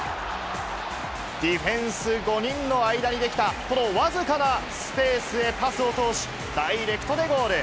ディフェンス５人の間に出来たこの僅かなスペースへパスを通し、ダイレクトでゴール。